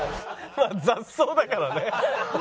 まあ雑草だからね。